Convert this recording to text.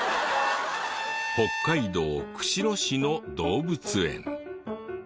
北海道釧路市の動物園。